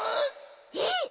えっ！